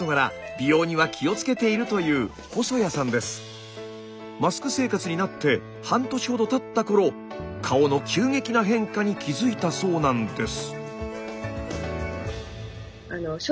美容には気をつけているというマスク生活になって半年ほどたった頃顔の急激な変化に気付いたそうなんです。